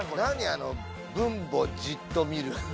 あの「分母じっと見る」。